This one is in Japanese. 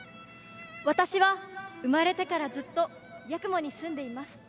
私は生まれてからずっと八雲に住んでいます。